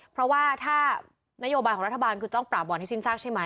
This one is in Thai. เพราะว่าถ้านโยบายของรัฐบาลคือต้องปราบบอลให้สิ้นซากใช่ไหม